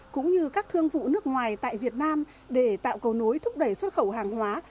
cũng như các thương vụ nước ngoài tại việt nam để tạo cầu nối thúc đẩy xuất khẩu hàng hóa